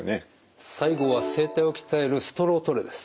最後は声帯を鍛えるストロートレです。